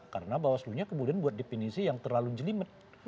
karena bawaslu nya kemudian buat definisi yang terlalu jelimet